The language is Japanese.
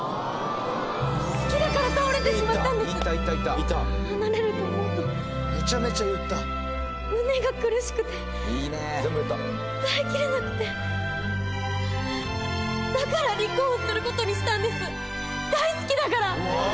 好きだから倒れてしまったんです離れると思うと胸が苦しくて耐えきれなくてだから立候補することにしたんです大好きだから！